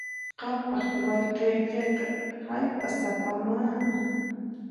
Qampaq wayqiykiqa hallp'asapamá.